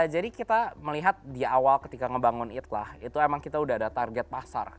jadi kita melihat di awal ketika ngebangun it lah itu emang kita udah ada target pasar